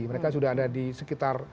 mereka sudah ada di sekitar